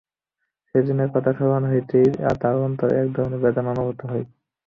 সেদিনের কথা স্মরণ হতেই তার অন্তরে এক ধরনের বেদনা অনুভূত হয়।